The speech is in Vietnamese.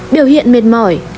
bốn biểu hiện mệt mỏi